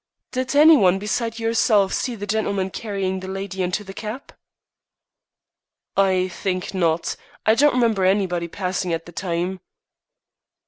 "Did any one besides yourself see the gentleman carrying the lady into the cab?" "I think not. I don't remember anybody passin' at the time."